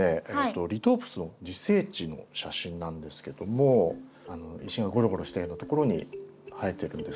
リトープスの自生地の写真なんですけども石がゴロゴロしたようなところに生えてるんです。